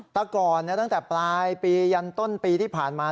แต่ก่อนตั้งแต่ปลายปียันต้นปีที่ผ่านมา